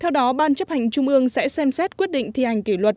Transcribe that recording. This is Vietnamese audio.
theo đó ban chấp hành trung ương sẽ xem xét quyết định thi hành kỷ luật